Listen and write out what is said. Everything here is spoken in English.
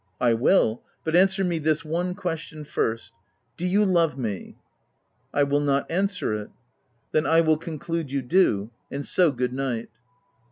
" I will ; but answer me this one question first ;— do you love me?" " I will not answer it !"" Then I will conclude you do ; and so good night."